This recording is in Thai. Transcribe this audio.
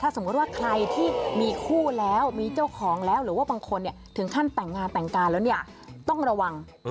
สมมุติว่าใครที่มีคู่แล้วมีเจ้าของแล้วหรือว่าบางคนถึงขั้นแต่งงานแต่งกายแล้วเนี่ยต้องระวัง